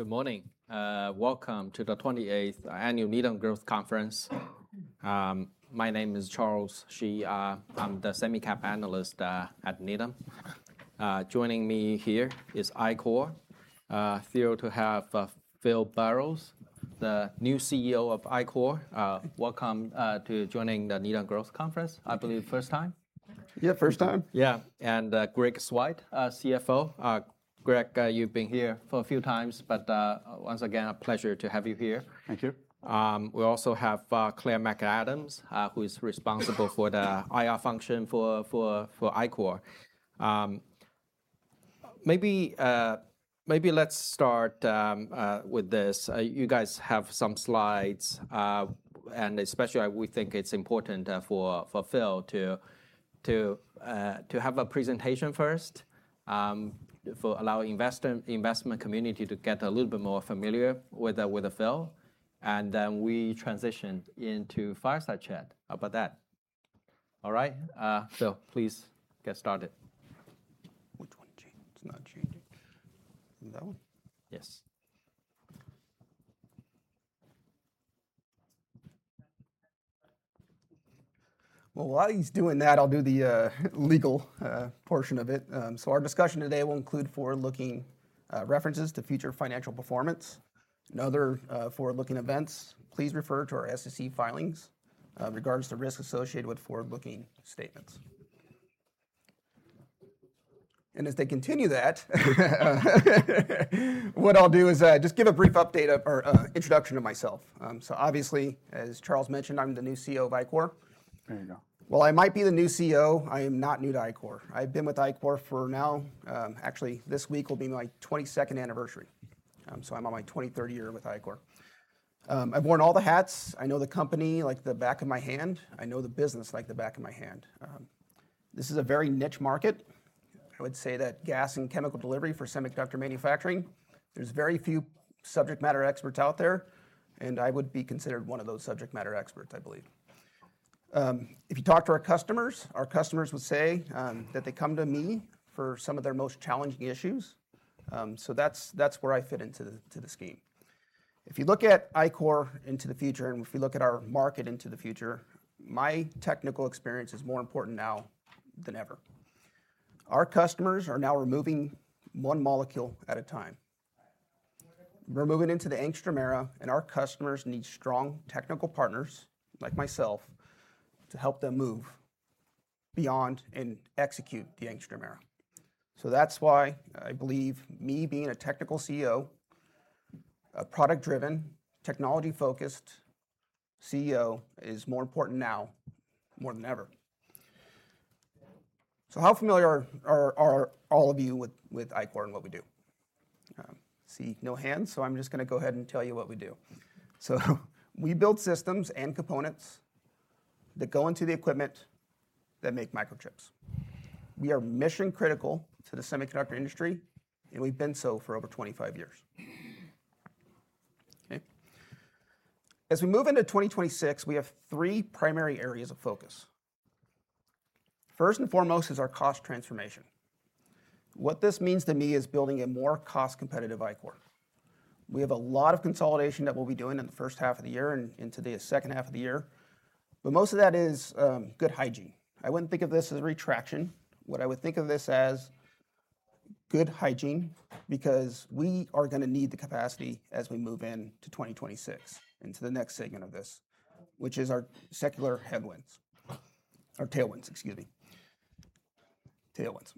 Good morning. Welcome to the 28th Annual Needham Growth Conference. My name is Charles Shi. I'm the Semicap Analyst at Needham. Joining me here is Ichor, thrilled to have Phil Barros, the new CEO of Ichor. Welcome to joining the Needham Growth Conference. I believe first time? Yeah, first time. Yeah, and Greg Swyt, CFO. Greg, you've been here for a few times, but once again, a pleasure to have you here. Thank you. We also have Claire McAdams, who is responsible for the IR function for Ichor. Maybe let's start with this. You guys have some slides, and especially we think it's important for Phil to have a presentation first for allowing the investment community to get a little bit more familiar with Phil. And then we transition into fireside chat about that. All right, Phil, please get started. Which one changed? It's not changing. Is it that one? Yes. While he's doing that, I'll do the legal portion of it. Our discussion today will include forward-looking references to future financial performance and other forward-looking events. Please refer to our SEC filings in regards to risks associated with forward-looking statements. As they continue that, what I'll do is just give a brief update or introduction of myself. Obviously, as Charles mentioned, I'm the new CEO of Ichor. There you go. While I might be the new CEO, I am not new to Ichor. I've been with Ichor for now, actually this week will be my 22nd anniversary. So I'm on my 23rd year with Ichor. I've worn all the hats. I know the company like the back of my hand. I know the business like the back of my hand. This is a very niche market. I would say that gas and chemical delivery for semiconductor manufacturing, there's very few subject matter experts out there. And I would be considered one of those subject matter experts, I believe. If you talk to our customers, our customers would say that they come to me for some of their most challenging issues. So that's where I fit into the scheme. If you look at Ichor into the future, and if you look at our market into the future, my technical experience is more important now than ever. Our customers are now removing one molecule at a time. We're moving into the Angstrom era, and our customers need strong technical partners like myself to help them move beyond and execute the Angstrom era. So that's why I believe me being a technical CEO, a product-driven, technology-focused CEO is more important now more than ever. So how familiar are all of you with Ichor and what we do? I see no hands, so I'm just going to go ahead and tell you what we do. So we build systems and components that go into the equipment that make microchips. We are mission critical to the semiconductor industry, and we've been so for over 25 years. As we move into 2026, we have three primary areas of focus. First and foremost is our cost transformation. What this means to me is building a more cost-competitive Ichor. We have a lot of consolidation that we'll be doing in the first half of the year and into the second half of the year. But most of that is good hygiene. I wouldn't think of this as retraction. What I would think of this as good hygiene because we are going to need the capacity as we move into 2026 and to the next segment of this, which is our secular headwinds, our tailwinds, excuse me. Tailwinds.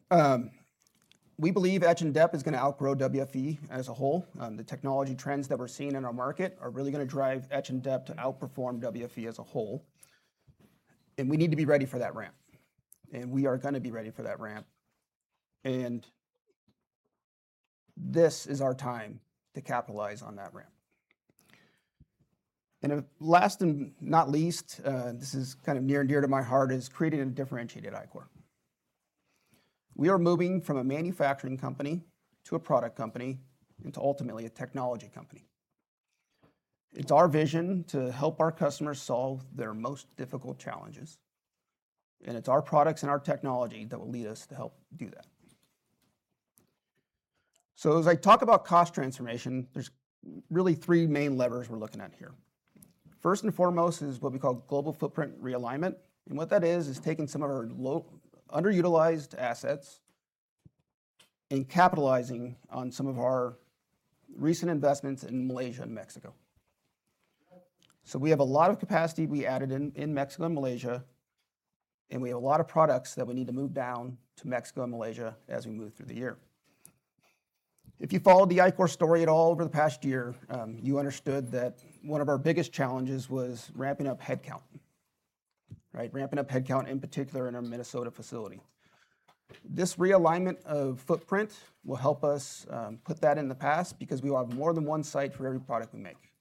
We believe etch and deposition is going to outgrow WFE as a whole. The technology trends that we're seeing in our market are really going to drive etch and deposition to outperform WFE as a whole. We need to be ready for that ramp. We are going to be ready for that ramp. This is our time to capitalize on that ramp. Last and not least, this is kind of near and dear to my heart, is creating a differentiated Ichor. We are moving from a manufacturing company to a product company and to ultimately a technology company. It's our vision to help our customers solve their most difficult challenges. It's our products and our technology that will lead us to help do that. As I talk about cost transformation, there's really three main levers we're looking at here. First and foremost is what we call global footprint realignment. What that is, is taking some of our underutilized assets and capitalizing on some of our recent investments in Malaysia and Mexico. So we have a lot of capacity we added in Mexico and Malaysia, and we have a lot of products that we need to move down to Mexico and Malaysia as we move through the year. If you followed the Ichor story at all over the past year, you understood that one of our biggest challenges was ramping up headcount, right? Ramping up headcount in particular in our Minnesota facility. This realignment of footprint will help us put that in the past because we will have more than one site for every product we make.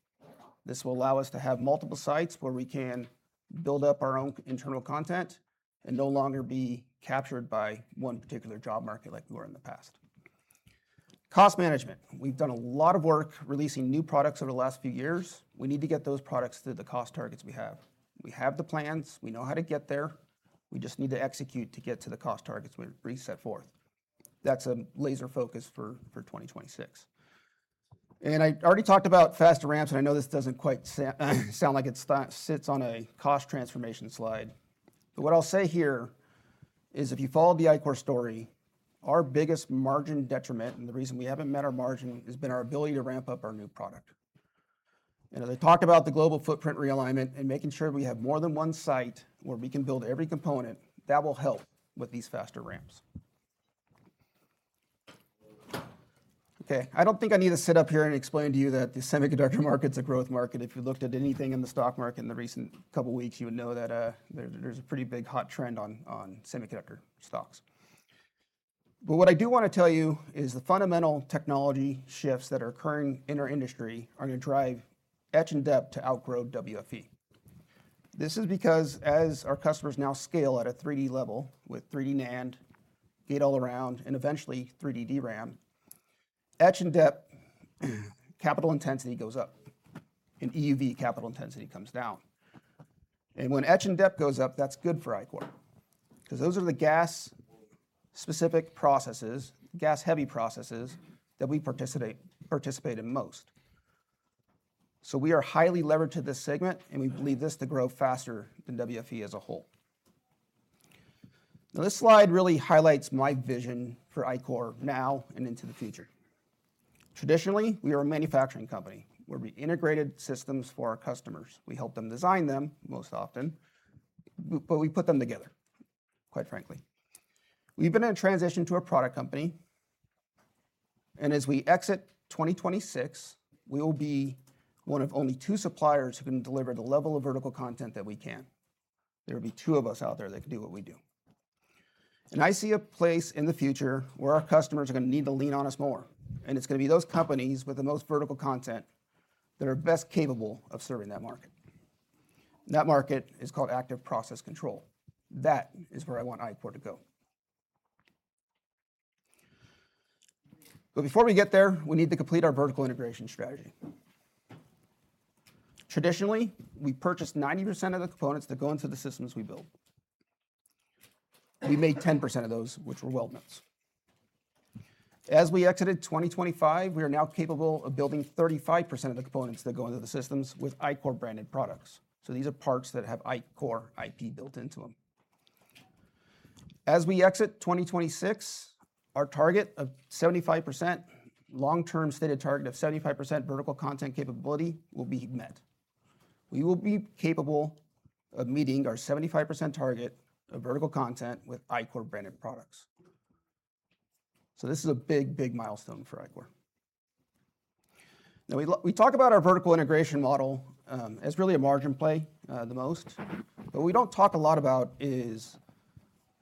This will allow us to have multiple sites where we can build up our own internal content and no longer be captured by one particular job market like we were in the past. Cost management. We've done a lot of work releasing new products over the last few years. We need to get those products to the cost targets we have. We have the plans. We know how to get there. We just need to execute to get to the cost targets we set forth. That's a laser focus for 2026, and I already talked about faster ramps, and I know this doesn't quite sound like it sits on a cost transformation slide, but what I'll say here is if you follow the Ichor story, our biggest margin detriment and the reason we haven't met our margin has been our ability to ramp up our new product, and as I talked about the global footprint realignment and making sure we have more than one site where we can build every component, that will help with these faster ramps. Okay, I don't think I need to sit up here and explain to you that the semiconductor market's a growth market. If you looked at anything in the stock market in the recent couple of weeks, you would know that there's a pretty big hot trend on semiconductor stocks. But what I do want to tell you is the fundamental technology shifts that are occurring in our industry are going to drive etch and deposition to outgrow WFE. This is because as our customers now scale at a 3D level with 3D NAND, Gate-All-Around, and eventually 3D DRAM, etch and deposition capital intensity goes up and EUV capital intensity comes down. And when etch and deposition goes up, that's good for Ichor because those are the gas-specific processes, gas-heavy processes that we participate in most. So we are highly leveraged to this segment, and we believe this to grow faster than WFE as a whole. Now, this slide really highlights my vision for Ichor now and into the future. Traditionally, we are a manufacturing company where we integrated systems for our customers. We help them design them most often, but we put them together, quite frankly. We've been in a transition to a product company, and as we exit 2026, we will be one of only two suppliers who can deliver the level of vertical content that we can. There will be two of us out there that can do what we do, and I see a place in the future where our customers are going to need to lean on us more, and it's going to be those companies with the most vertical content that are best capable of serving that market. That market is called active process control. That is where I want Ichor to go, but before we get there, we need to complete our vertical integration strategy. Traditionally, we purchased 90% of the components that go into the systems we built. We made 10% of those, which were weldments. As we exited 2025, we are now capable of building 35% of the components that go into the systems with Ichor-branded products. So these are parts that have Ichor IP built into them. As we exit 2026, our target of 75%, long-term stated target of 75% vertical content capability will be met. We will be capable of meeting our 75% target of vertical content with Ichor-branded products. So this is a big, big milestone for Ichor. Now, we talk about our vertical integration model as really a margin play the most. But what we don't talk a lot about is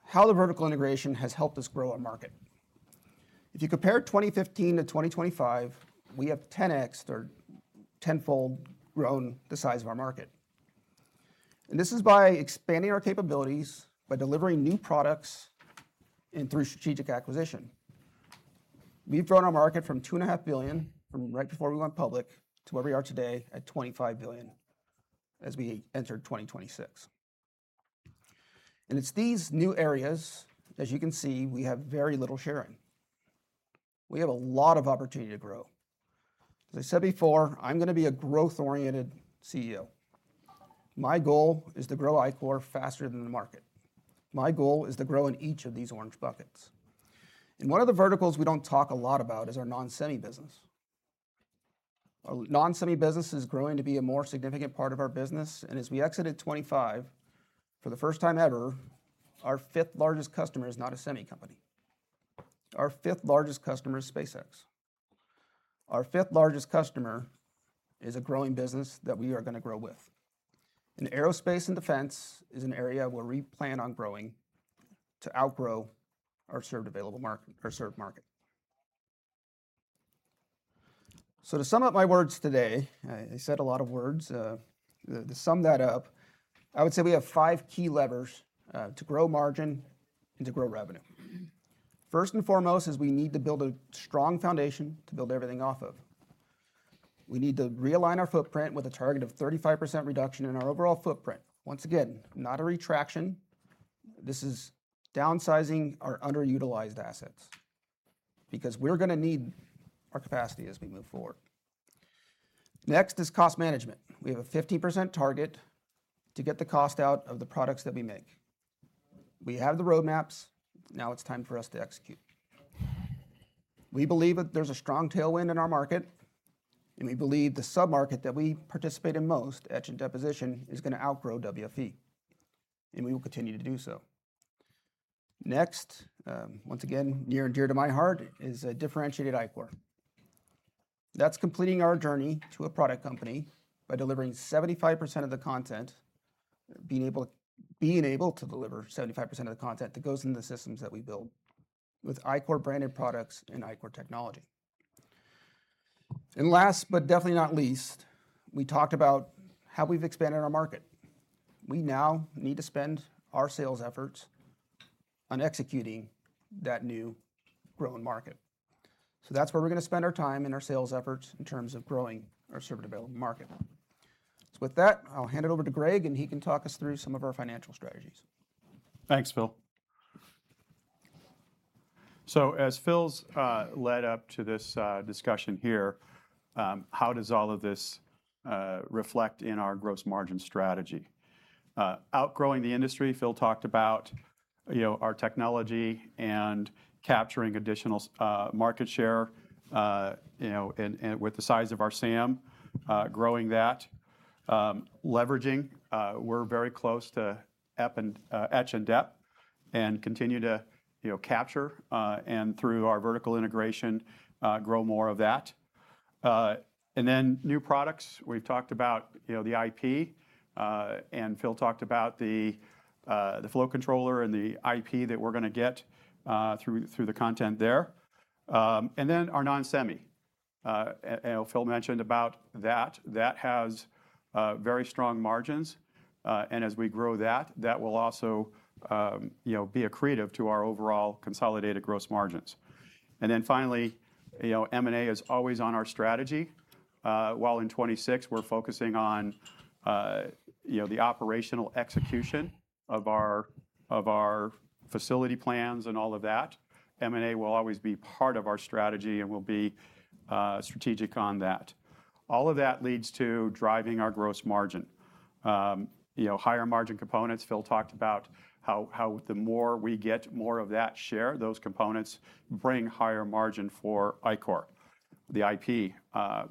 how the vertical integration has helped us grow our market. If you compare 2015 to 2025, we have 10x or tenfold grown the size of our market. This is by expanding our capabilities, by delivering new products, and through strategic acquisition. We've grown our market from $2.5 billion from right before we went public to where we are today at $25 billion as we entered 2026. It's these new areas, as you can see, we have very little sharing. We have a lot of opportunity to grow. As I said before, I'm going to be a growth-oriented CEO. My goal is to grow Ichor faster than the market. My goal is to grow in each of these orange buckets. One of the verticals we don't talk a lot about is our non-semi business. Our non-semi business is growing to be a more significant part of our business. As we exited 2025, for the first time ever, our fifth largest customer is not a semi company. Our fifth largest customer is SpaceX. Our fifth largest customer is a growing business that we are going to grow with, and aerospace and defense is an area where we plan on growing to outgrow our served market, so to sum up my words today, I said a lot of words. To sum that up, I would say we have five key levers to grow margin and to grow revenue. First and foremost is we need to build a strong foundation to build everything off of. We need to realign our footprint with a target of 35% reduction in our overall footprint. Once again, not a retraction. This is downsizing our underutilized assets because we're going to need our capacity as we move forward. Next is cost management. We have a 15% target to get the cost out of the products that we make. We have the roadmaps. Now it's time for us to execute. We believe that there's a strong tailwind in our market, and we believe the sub-market that we participate in most, etch and deposition, is going to outgrow WFE, and we will continue to do so. Next, once again, near and dear to my heart is a differentiated Ichor. That's completing our journey to a product company by delivering 75% of the content, being able to deliver 75% of the content that goes into the systems that we build with Ichor-branded products and Ichor technology. Last, but definitely not least, we talked about how we've expanded our market. We now need to spend our sales efforts on executing that new grown market. That's where we're going to spend our time in our sales efforts in terms of growing our service available market. So with that, I'll hand it over to Greg, and he can talk us through some of our financial strategies. Thanks, Phil, so as Phil's led up to this discussion here, how does all of this reflect in our gross margin strategy? Outgrowing the industry, Phil talked about our technology and capturing additional market share with the size of our SAM, growing that, leveraging. We're very close to etch and deposition and continue to capture, and through our vertical integration, grow more of that, and then new products, we've talked about the IP, and Phil talked about the flow controller and the IP that we're going to get through the acquisition there, and then our non-semi, Phil mentioned about that. That has very strong margins, and as we grow that, that will also be accretive to our overall consolidated gross margins, and then finally, M&A is always on our strategy. While in 2026, we're focusing on the operational execution of our facility plans and all of that. M&A will always be part of our strategy and will be strategic on that. All of that leads to driving our gross margin. Higher margin components, Phil talked about how the more we get more of that share, those components bring higher margin for Ichor. The IP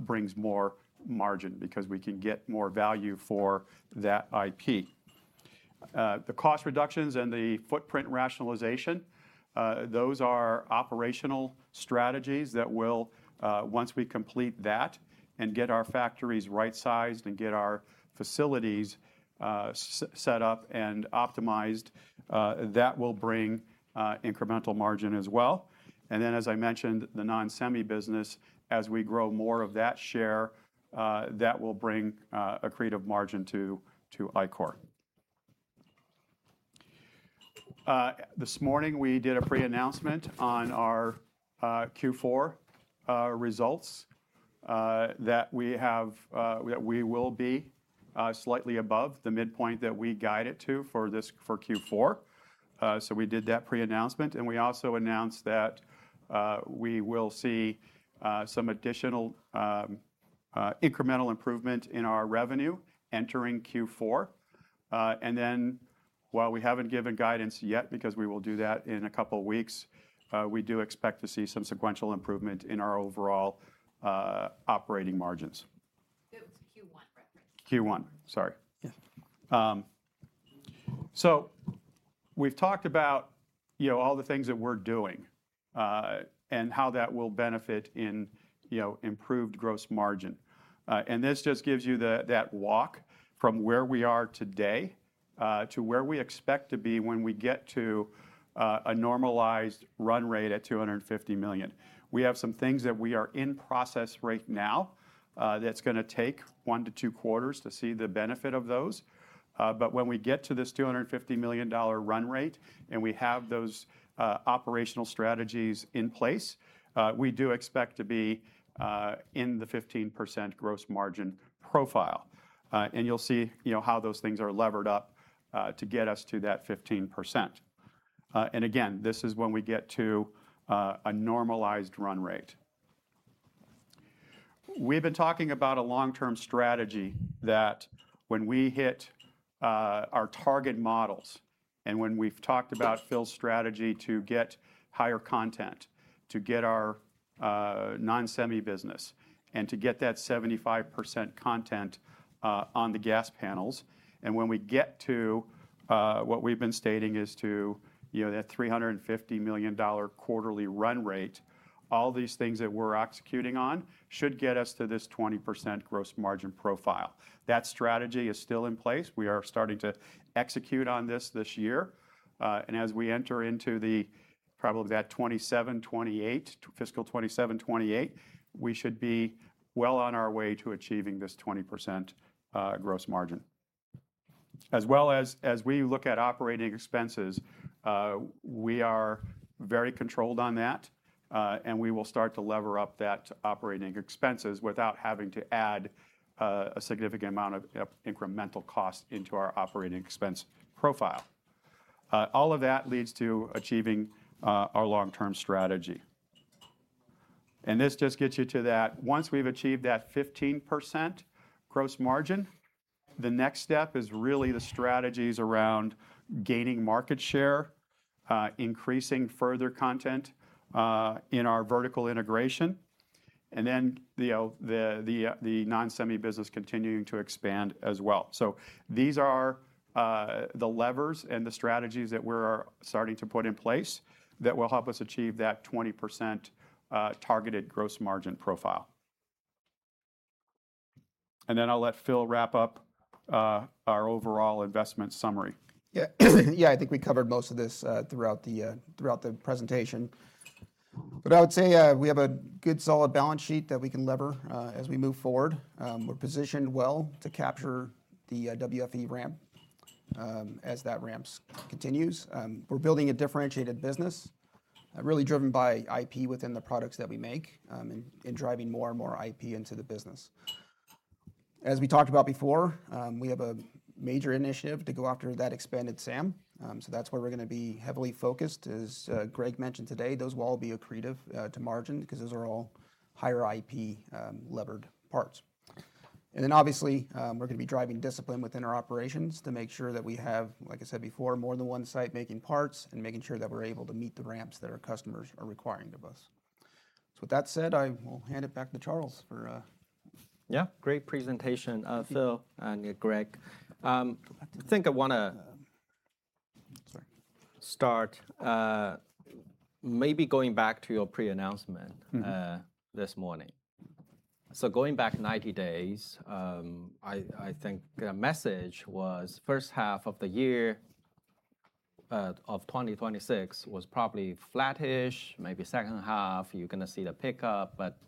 brings more margin because we can get more value for that IP. The cost reductions and the footprint rationalization, those are operational strategies that will, once we complete that and get our factories right-sized and get our facilities set up and optimized, that will bring incremental margin as well. Then, as I mentioned, the non-semi business, as we grow more of that share, that will bring an accretive margin to Ichor. This morning, we did a pre-announcement on our Q4 results that we will be slightly above the midpoint that we guided to for Q4, so we did that pre-announcement, and we also announced that we will see some additional incremental improvement in our revenue entering Q4, and then, while we haven't given guidance yet because we will do that in a couple of weeks, we do expect to see some sequential improvement in our overall operating margins. That was Q1 reference. Q1, sorry. We've talked about all the things that we're doing and how that will benefit in improved gross margin. This just gives you that walk from where we are today to where we expect to be when we get to a normalized run rate at $250 million. We have some things that we are in process right now that's going to take one to two quarters to see the benefit of those. But when we get to this $250 million run rate and we have those operational strategies in place, we do expect to be in the 15% gross margin profile. You'll see how those things are levered up to get us to that 15%. Again, this is when we get to a normalized run rate. We've been talking about a long-term strategy that when we hit our target models and when we've talked about Phil's strategy to get higher content, to get our non-semi business, and to get that 75% content on the gas panels, and when we get to what we've been stating is to that $350 million quarterly run rate, all these things that we're executing on should get us to this 20% gross margin profile. That strategy is still in place. We are starting to execute on this this year, and as we enter into probably that fiscal 2027-2028, we should be well on our way to achieving this 20% gross margin. As well as we look at operating expenses, we are very controlled on that, and we will start to lever up that operating expenses without having to add a significant amount of incremental cost into our operating expense profile. All of that leads to achieving our long-term strategy. And this just gets you to that once we've achieved that 15% gross margin, the next step is really the strategies around gaining market share, increasing further content in our vertical integration, and then the non-semi business continuing to expand as well. So these are the levers and the strategies that we're starting to put in place that will help us achieve that 20% targeted gross margin profile. And then I'll let Phil wrap up our overall investment summary. Yeah, I think we covered most of this throughout the presentation. But I would say we have a good solid balance sheet that we can lever as we move forward. We're positioned well to capture the WFE ramp as that ramp continues. We're building a differentiated business really driven by IP within the products that we make and driving more and more IP into the business. As we talked about before, we have a major initiative to go after that expanded SAM. So that's where we're going to be heavily focused, as Greg mentioned today. Those will all be accretive to margin because those are all higher IP levered parts. And then obviously, we're going to be driving discipline within our operations to make sure that we have, like I said before, more than one site making parts and making sure that we're able to meet the ramps that our customers are requiring of us. So with that said, I will hand it back to Charles for. Yeah, great presentation, Phil and Greg. I think I want to start maybe going back to your pre-announcement this morning. Going back 90 days, I think the message was first half of the year of 2026 was probably flattish, maybe second half, you're going to see the pickup. But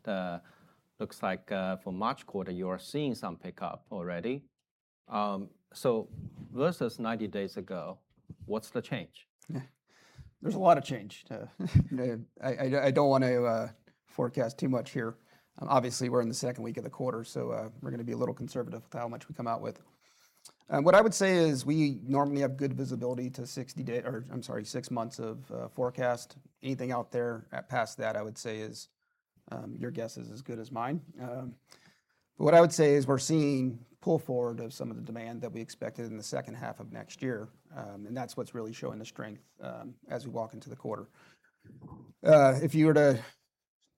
it looks like for March quarter, you are seeing some pickup already. Versus 90 days ago, what's the change? There's a lot of change. I don't want to forecast too much here. Obviously, we're in the second week of the quarter, so we're going to be a little conservative with how much we come out with. What I would say is we normally have good visibility to 60 days, or I'm sorry, six months of forecast. Anything out there past that, I would say is your guess is as good as mine. But what I would say is we're seeing pull forward of some of the demand that we expected in the second half of next year. And that's what's really showing the strength as we walk into the quarter. If you were to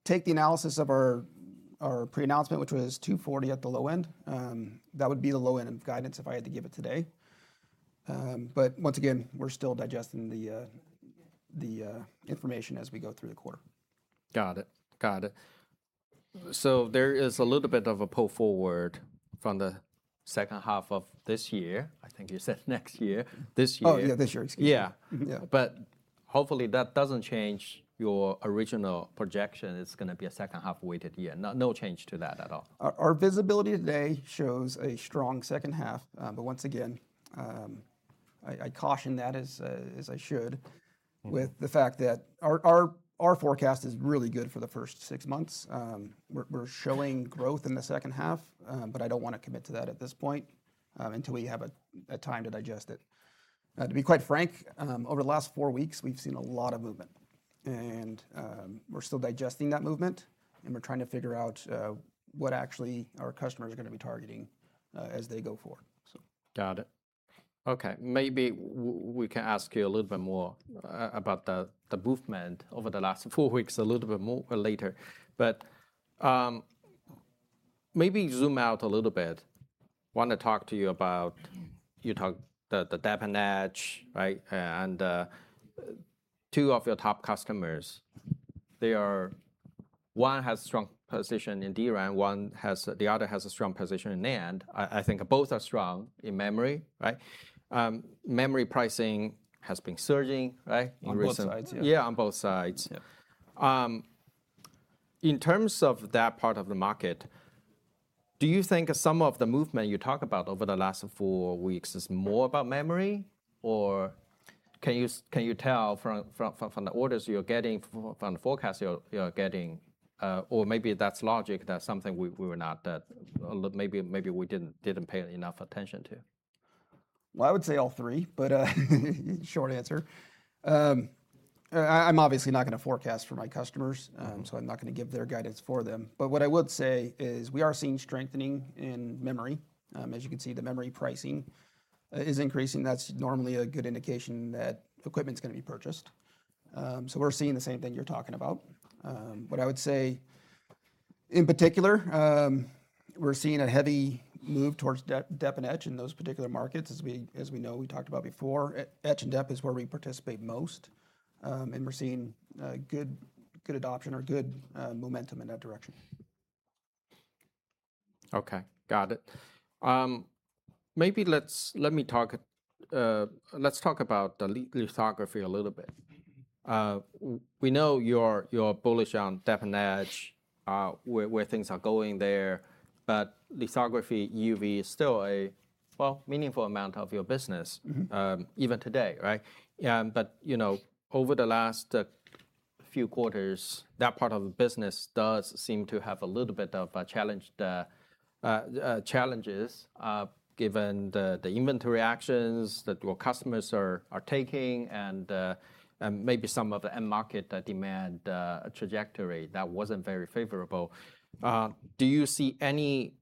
take the analysis of our pre-announcement, which was 240 at the low end, that would be the low end of guidance if I had to give it today. But once again, we're still digesting the information as we go through the quarter. Got it. Got it. So there is a little bit of a pull forward from the second half of this year. I think you said next year. This year. Oh, yeah, this year. Excuse me. Yeah. But hopefully that doesn't change your original projection. It's going to be a second half weighted year. No change to that at all. Our visibility today shows a strong second half. But once again, I caution that as I should with the fact that our forecast is really good for the first six months. We're showing growth in the second half, but I don't want to commit to that at this point until we have a time to digest it. To be quite frank, over the last four weeks, we've seen a lot of movement. And we're still digesting that movement. And we're trying to figure out what actually our customers are going to be targeting as they go forward. Got it. Okay. Maybe we can ask you a little bit more about the movement over the last four weeks, a little bit more later. But maybe zoom out a little bit. I want to talk to you about you talked about the deposition and etch, right? And two of your top customers, one has a strong position in DRAM, the other has a strong position in NAND. I think both are strong in memory, right? Memory pricing has been surging, right? On both sides, yeah. Yeah, on both sides. In terms of that part of the market, do you think some of the movement you talk about over the last four weeks is more about memory? Or can you tell from the orders you're getting, from the forecast you're getting, or maybe that's logic, that's something we were not, maybe we didn't pay enough attention to? I would say all three, but short answer. I'm obviously not going to forecast for my customers, so I'm not going to give their guidance for them. But what I would say is we are seeing strengthening in memory. As you can see, the memory pricing is increasing. That's normally a good indication that equipment's going to be purchased. So we're seeing the same thing you're talking about. What I would say in particular, we're seeing a heavy move towards deposition and etch in those particular markets, as we know we talked about before. Etch and deposition is where we participate most. And we're seeing good adoption or good momentum in that direction. Okay, got it. Maybe let me talk about the lithography a little bit. We know you're bullish on deposition and etch, where things are going there. But lithography, EUV is still a, well, meaningful amount of your business even today, right? But over the last few quarters, that part of the business does seem to have a little bit of challenges given the inventory actions that your customers are taking and maybe some of the end market demand trajectory that wasn't very favorable. Do you see any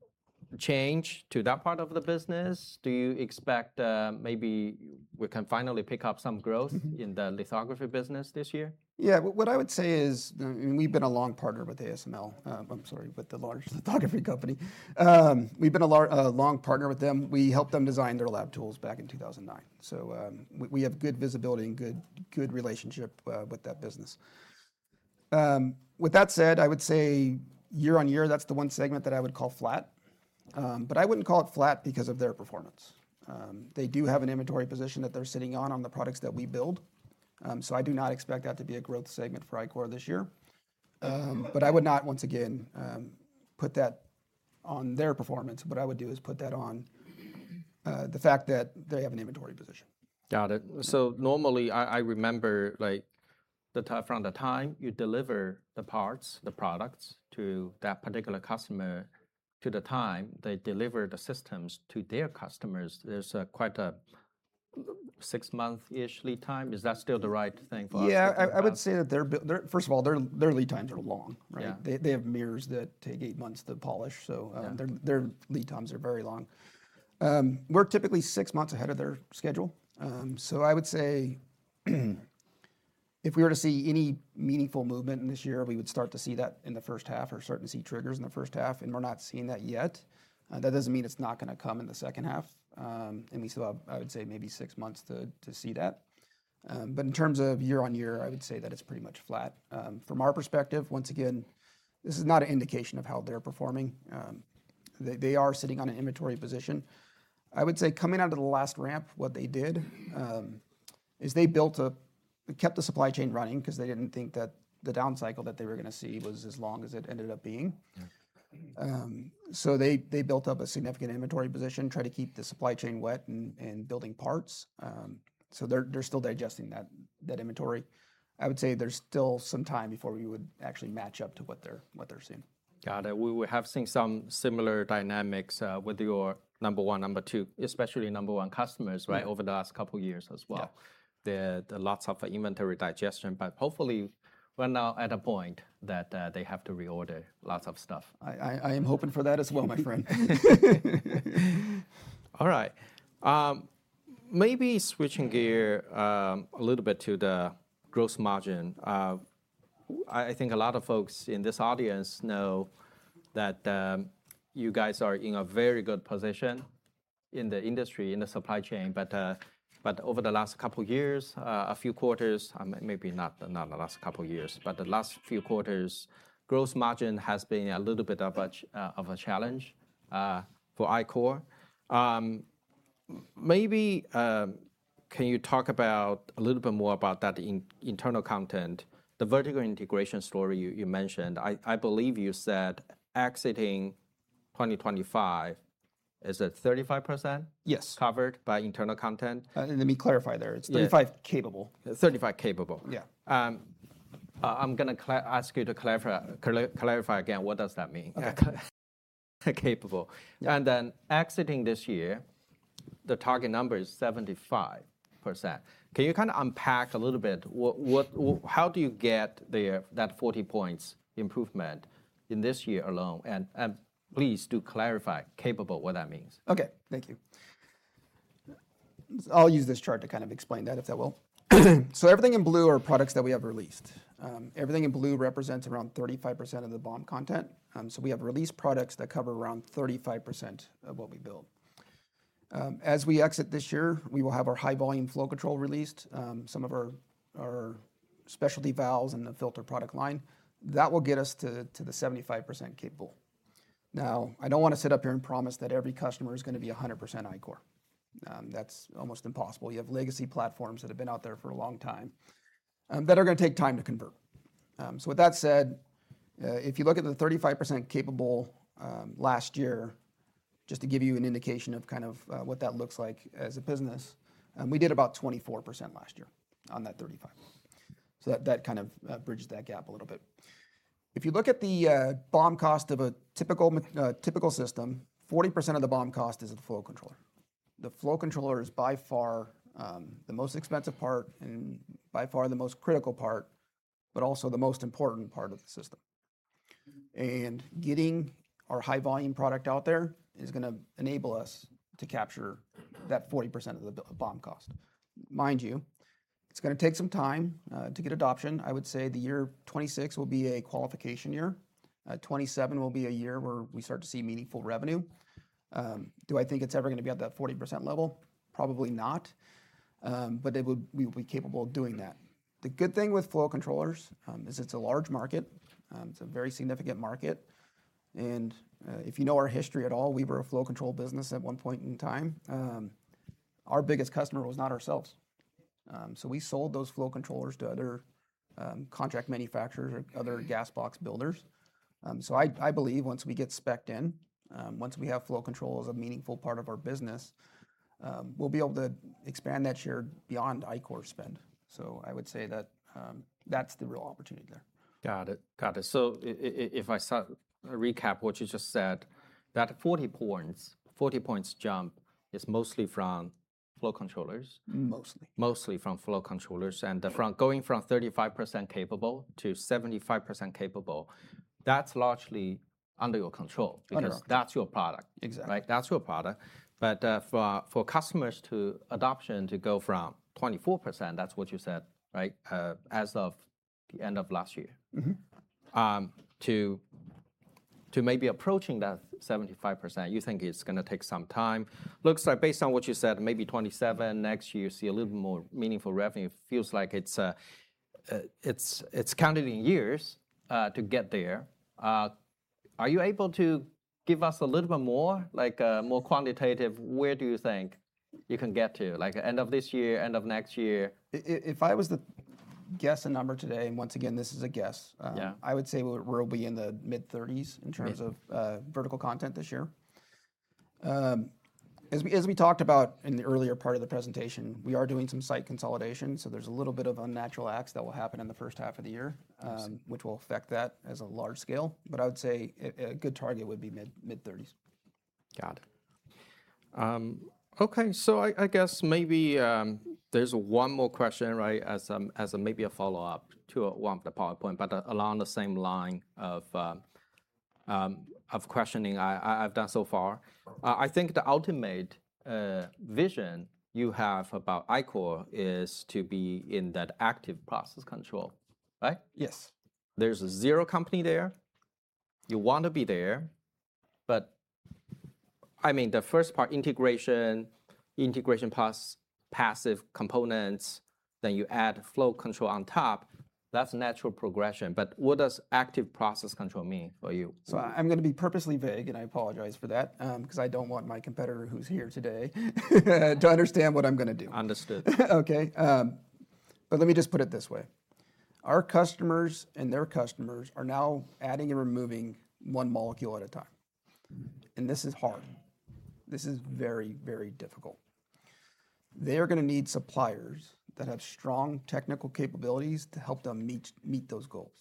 change to that part of the business? Do you expect maybe we can finally pick up some growth in the lithography business this year? Yeah, what I would say is we've been a long partner with ASML. I'm sorry, with the large lithography company. We've been a long partner with them. We helped them design their lab tools back in 2009. So we have good visibility and good relationship with that business. With that said, I would say year on year, that's the one segment that I would call flat. But I wouldn't call it flat because of their performance. They do have an inventory position that they're sitting on on the products that we build. So I do not expect that to be a growth segment for Ichor this year. But I would not, once again, put that on their performance. What I would do is put that on the fact that they have an inventory position. Got it. So normally, I remember from the time you deliver the parts, the products to that particular customer, to the time they deliver the systems to their customers, there's quite a six-month-ish lead time. Is that still the right thing for us? Yeah, I would say that they're, first of all, their lead times are long, right? They have mirrors that take eight months to polish, so their lead times are very long. We're typically six months ahead of their schedule. So I would say if we were to see any meaningful movement in this year, we would start to see that in the first half or start to see triggers in the first half, and we're not seeing that yet. That doesn't mean it's not going to come in the second half, and so I would say maybe six months to see that, but in terms of year on year, I would say that it's pretty much flat. From our perspective, once again, this is not an indication of how they're performing. They are sitting on an inventory position. I would say coming out of the last ramp, what they did is they built up, kept the supply chain running because they didn't think that the down cycle that they were going to see was as long as it ended up being. So they built up a significant inventory position, tried to keep the supply chain wet and building parts. So they're still digesting that inventory. I would say there's still some time before we would actually match up to what they're seeing. Got it. We have seen some similar dynamics with your number one, number two, especially number one customers, right, over the last couple of years as well. There's lots of inventory digestion, but hopefully we're now at a point that they have to reorder lots of stuff. I am hoping for that as well, my friend. All right. Maybe switching gear a little bit to the gross margin. I think a lot of folks in this audience know that you guys are in a very good position in the industry, in the supply chain. But over the last couple of years, a few quarters, maybe not the last couple of years, but the last few quarters, gross margin has been a little bit of a challenge for Ichor. Maybe can you talk a little bit more about that internal content, the vertical integration story you mentioned? I believe you said exiting 2025, is it 35% covered by internal content? Let me clarify there. It's 35% capable. 35% capable. Yeah. I'm going to ask you to clarify again, what does that mean? Capable. And then exiting this year, the target number is 75%. Can you kind of unpack a little bit how do you get that 40% points improvement in this year alone? And please do clarify capable, what that means? Okay, thank you. I'll use this chart to kind of explain that, if that will. So everything in blue are products that we have released. Everything in blue represents around 35% of the BOM content. So we have released products that cover around 35% of what we build. As we exit this year, we will have our high volume flow control released, some of our specialty valves and the filter product line. That will get us to the 75% capable. Now, I don't want to sit up here and promise that every customer is going to be 100% Ichor. That's almost impossible. You have legacy platforms that have been out there for a long time that are going to take time to convert. With that said, if you look at the 35% capable last year, just to give you an indication of kind of what that looks like as a business, we did about 24% last year on that 35%. So that kind of bridges that gap a little bit. If you look at the BOM cost of a typical system, 40% of the BOM cost is a flow controller. The flow controller is by far the most expensive part and by far the most critical part, but also the most important part of the system. And getting our high volume product out there is going to enable us to capture that 40% of the BOM cost. Mind you, it's going to take some time to get adoption. I would say the year 2026 will be a qualification year. 2027 will be a year where we start to see meaningful revenue. Do I think it's ever going to be at that 40% level? Probably not. But we will be capable of doing that. The good thing with flow controllers is it's a large market. It's a very significant market. And if you know our history at all, we were a flow control business at one point in time. Our biggest customer was not ourselves. So we sold those flow controllers to other contract manufacturers or other gas box builders. So I believe once we get specced in, once we have flow controls a meaningful part of our business, we'll be able to expand that share beyond Ichor spend. So I would say that that's the real opportunity there. Got it. Got it. So if I recap what you just said, that 40% points, 40% points jump is mostly from flow controllers. Mostly. Mostly from flow controllers and going from 35% capable to 75% capable, that's largely under your control because that's your product. Exactly. Right? That's your product. But for customer adoption to go from 24%, that's what you said, right, as of the end of last year, to maybe approaching that 75%, you think it's going to take some time. Looks like based on what you said, maybe 2027, next year you see a little more meaningful revenue. It feels like it's counted in years to get there. Are you able to give us a little bit more, like more quantitative, where do you think you can get to, like end of this year, end of next year? If I was to guess a number today, and once again, this is a guess, I would say we'll be in the mid-30s in terms of vertical content this year. As we talked about in the earlier part of the presentation, we are doing some site consolidation. So there's a little bit of unnatural acts that will happen in the first half of the year, which will affect that as a large scale. But I would say a good target would be mid-30s. Got it. Okay. So I guess maybe there's one more question, right, as maybe a follow-up to one of the PowerPoint, but along the same line of questioning I've done so far. I think the ultimate vision you have about Ichor is to be in that active process control, right? Yes. There's a zero company there. You want to be there, but I mean, the first part, integration, integration plus passive components, then you add flow control on top, that's natural progression, but what does active process control mean for you? So I'm going to be purposely vague, and I apologize for that, because I don't want my competitor who's here today to understand what I'm going to do. Understood. Okay, but let me just put it this way. Our customers and their customers are now adding and removing one molecule at a time, and this is hard. This is very, very difficult. They are going to need suppliers that have strong technical capabilities to help them meet those goals,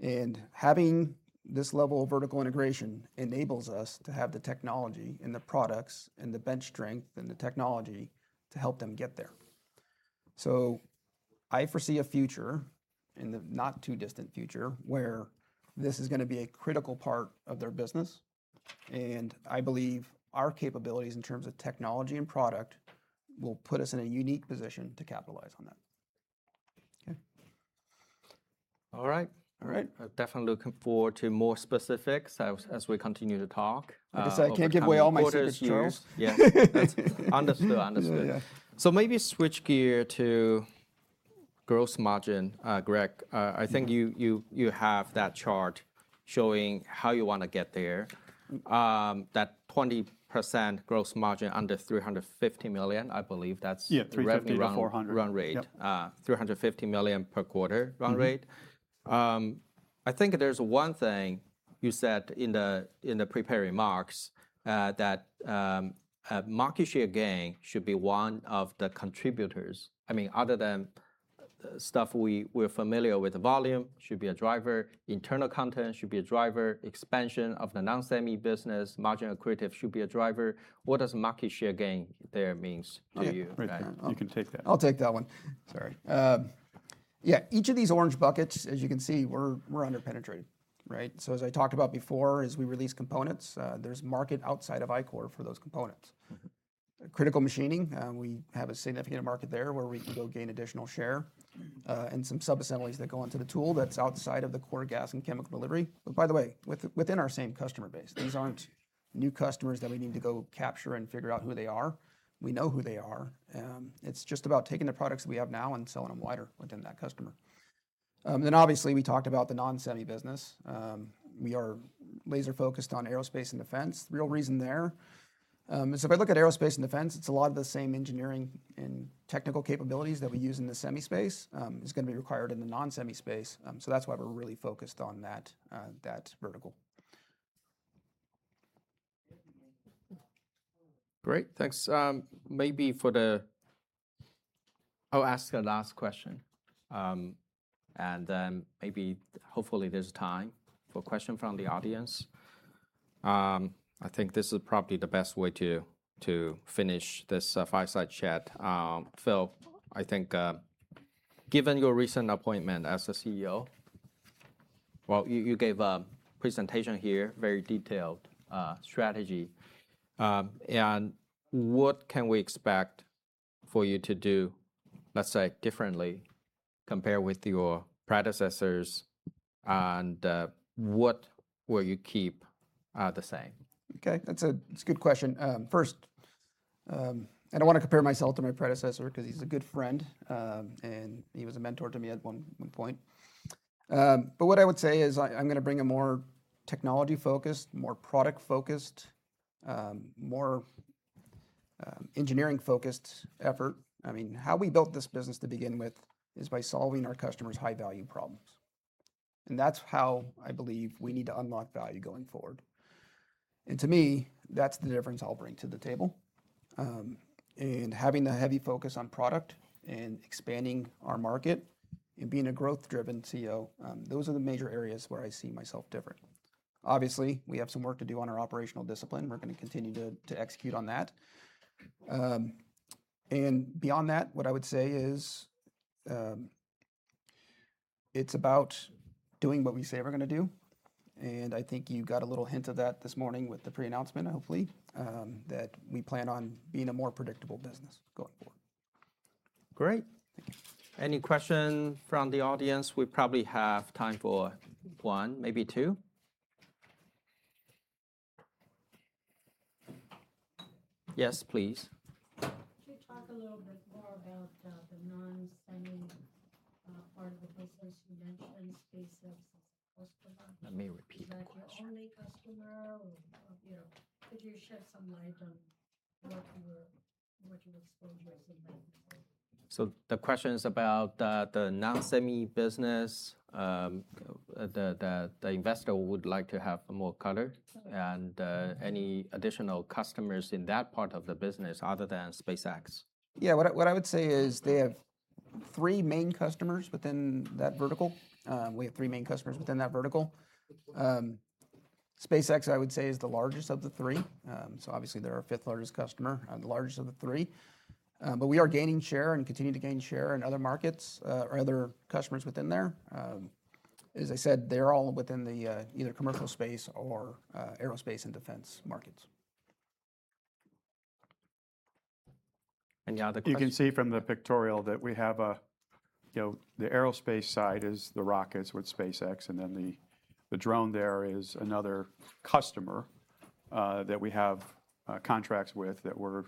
and having this level of vertical integration enables us to have the technology and the products and the bench strength and the technology to help them get there, so I foresee a future in the not too distant future where this is going to be a critical part of their business, and I believe our capabilities in terms of technology and product will put us in a unique position to capitalize on that. Okay. All right. All right. Definitely looking forward to more specifics as we continue to talk. I guess I can't give away all my secrets. Understood. So maybe switch gears to gross margin, Greg. I think you have that chart showing how you want to get there, that 20% gross margin under $350 million. I believe that's. Yeah, $350 million-$400 million. Run rate. $350 million per quarter run rate. I think there's one thing you said in the prepared remarks that market share gain should be one of the contributors. I mean, other than stuff we're familiar with, volume should be a driver, internal content should be a driver, expansion of the non-semi business, margin accretive should be a driver. What does market share gain there mean to you? You can take that. I'll take that one. Sorry. Yeah, each of these orange buckets, as you can see, we're under penetrated, right? So as I talked about before, as we release components, there's market outside of Ichor for those components. Critical machining, we have a significant market there where we can go gain additional share and some sub-assemblies that go into the tool that's outside of the core gas and chemical delivery. But by the way, within our same customer base, these aren't new customers that we need to go capture and figure out who they are. We know who they are. It's just about taking the products that we have now and selling them wider within that customer. And then obviously we talked about the non-semi business. We are laser-focused on aerospace and defense. The real reason there is, if I look at aerospace and defense, it's a lot of the same engineering and technical capabilities that we use in the semi space is going to be required in the non-semi space. So that's why we're really focused on that vertical. Great. Thanks. Maybe I'll ask the last question. And then maybe hopefully there's time for a question from the audience. I think this is probably the best way to finish this fireside chat. Phil, I think given your recent appointment as CEO, well, you gave a presentation here, very detailed strategy. And what can we expect for you to do, let's say, differently compared with your predecessors? And what will you keep the same? Okay. That's a good question. First, I don't want to compare myself to my predecessor because he's a good friend and he was a mentor to me at one point but what I would say is I'm going to bring a more technology-focused, more product-focused, more engineering-focused effort. I mean, how we built this business to begin with is by solving our customers' high-value problems and that's how I believe we need to unlock value going forward and to me, that's the difference I'll bring to the table and having the heavy focus on product and expanding our market and being a growth-driven CEO, those are the major areas where I see myself different. Obviously, we have some work to do on our operational discipline and we're going to continue to execute on that. And beyond that, what I would say is it's about doing what we say we're going to do. And I think you got a little hint of that this morning with the pre-announcement, hopefully, that we plan on being a more predictable business going forward. Great. Any question from the audience? We probably have time for one, maybe two. Yes, please. Could you talk a little bit more about the non-semi part of the business you mentioned, SpaceX's customer? Let me repeat that question. The only customer? Could you shed some light on what your exposure is in that? So the question is about the non-semi business, the investor would like to have more color. And any additional customers in that part of the business other than SpaceX? Yeah, what I would say is they have three main customers within that vertical. We have three main customers within that vertical. SpaceX, I would say, is the largest of the three. So obviously, they're our fifth largest customer and the largest of the three. But we are gaining share and continue to gain share in other markets or other customers within there. As I said, they're all within the either commercial space or aerospace and defense markets. The other question. You can see from the pictorial that we have the aerospace side is the rockets with SpaceX, and then the drone there is another customer that we have contracts with that we're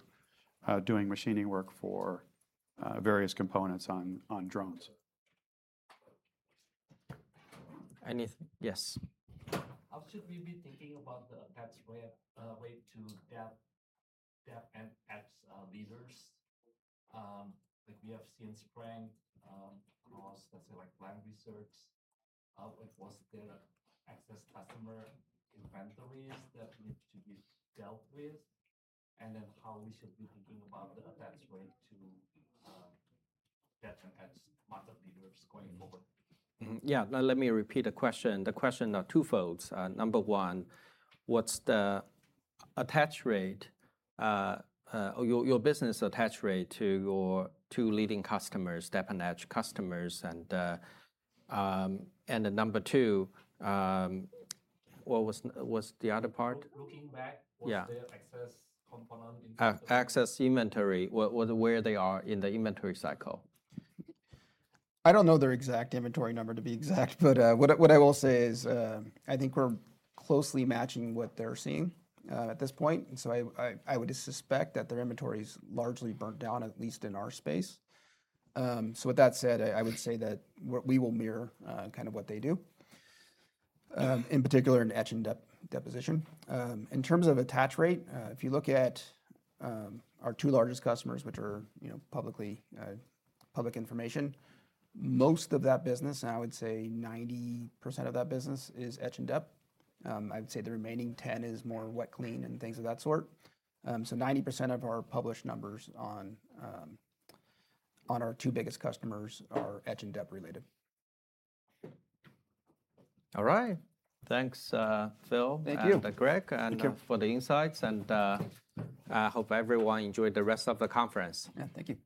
doing machining work for various components on drones. Yes. How should we be thinking about the attachment rate to deposition and etch leaders? We have seen strength across, let's say, like Lam Research. What's their excess customer inventories that need to be dealt with? And then how we should be thinking about the attachment to deposition and etch market leaders going forward? Yeah. Now, let me repeat the question. The question are twofold. Number one, what's the attach rate, your business attach rate to your two leading customers, deposition and etch customers? And number two, what was the other part? Looking back, what's the excess component? Excess inventory, where they are in the inventory cycle. I don't know their exact inventory number to be exact, but what I will say is I think we're closely matching what they're seeing at this point. So I would suspect that their inventory is largely burnt down, at least in our space. So with that said, I would say that we will mirror kind of what they do, in particular in etch and deposition. In terms of attach rate, if you look at our two largest customers, which are public information, most of that business, and I would say 90% of that business is etch and deposition. I would say the remaining 10% is more wet clean and things of that sort. So 90% of our published numbers on our two biggest customers are etch and deposition related. All right. Thanks, Phil. Thank you. Greg, for the insights. I hope everyone enjoyed the rest of the conference. Yeah, thank you.